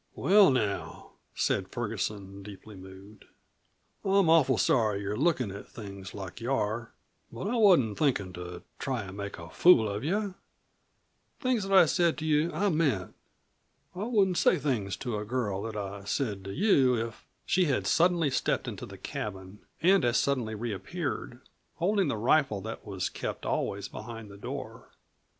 "Well, now," said Ferguson, deeply moved; "I'm awful sorry you're lookin' at things like you are. But I wasn't thinkin' to try an' make a fool of you. Things that I said to you I meant. I wouldn't say things to a girl that I said to you if " She had suddenly stepped into the cabin and as suddenly reappeared holding the rifle that was kept always behind the door.